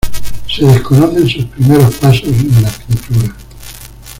Se desconocen sus primeros pasos en la pintura.